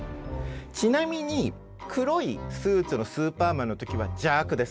ちなみに黒いスーツのスーパーマンの時は邪悪です。